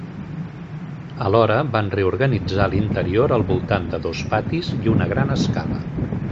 Alhora, van reorganitzar l'interior al voltant de dos patis i una gran escala.